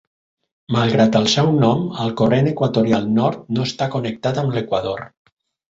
Malgrat el seu nom, el corrent equatorial nord no està connectat amb l'equador.